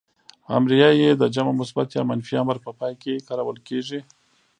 امریه ئ د جمع مثبت يا منفي امر په پای کې کارول کیږي.